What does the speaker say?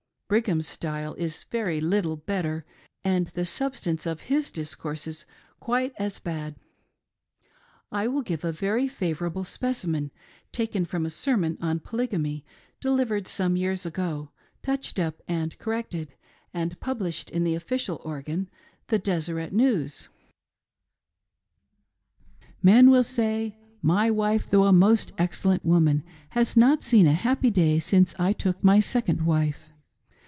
Brigham's style is very little better, and the substance of his discourses quite as bad. I will give a very favorable specimen taken from a sermon on Polygamy, delivered some years ago, touched up and corrected, and published in the official organ, the Deseret News: "Men will say — 'My wife though a most excellent woman has not seen a happy day since I took my second wife.'